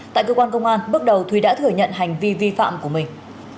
tại cơ quan công an bước đầu thúy đã thừa nhận hành vi vi phạm của mình